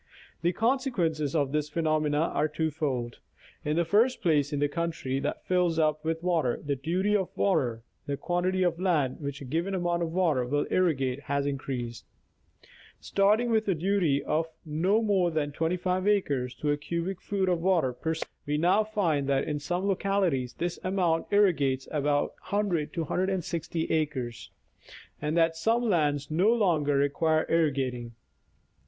The consequences of these phenom ena are twofold. In the first place, in the country that fills up with water, the duty of water — the quantity of land which a given amount of water will irrigate — has increased. Starting with a duty of not more than 25 acres to a cubic foot of water per second, we now find that, in some localities, this amount irrigates from 100 to 160 acres ; and that some lands no longer require irrigating.